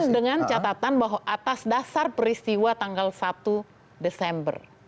dengan catatan bahwa atas dasar peristiwa tanggal satu desember